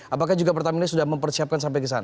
apakah juga pertamina sudah mempersiapkan sampai ke sana